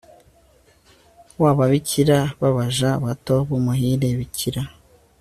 w ababikira b abaja bato b umuhire bikira